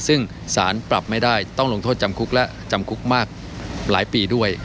ซึ่งสารปรับไม่ได้ต้องลงโทษจำคุกและจำคุกมากหลายปีด้วย